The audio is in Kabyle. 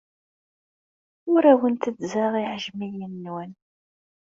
Ur awen-tteddzeɣ iɛejmiyen-nwen.